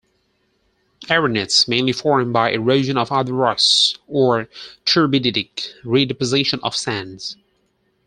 Arenites mainly form by erosion of other rocks or turbiditic re-deposition of sands.